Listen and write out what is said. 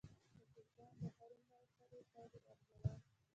شاګردان د هره مرحله پایلې ارزول.